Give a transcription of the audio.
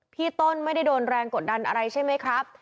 พี่ต้นไม่ได้โดนแรงกดดันอะไรใช่ไหมครับ